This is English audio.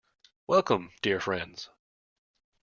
Welcome, dear friends.